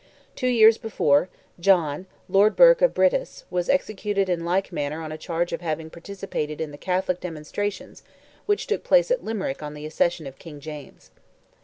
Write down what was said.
Two years before, John, Lord Burke of Brittas, was executed in like manner on a charge of having participated in the Catholic demonstrations which took place at Limerick on the accession of King James.